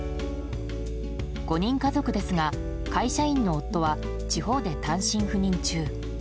５人家族ですが会社員の夫は地方で単身赴任中。